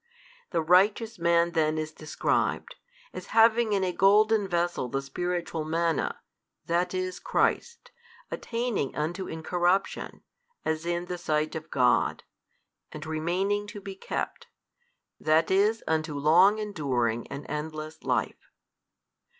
The righteous man then is described, as having in a golden vessel the spiritual Manna, that is Christ, attaining unto incorruption, as in the Sight of God, and remaining to be kept, that is unto long enduring and endless life.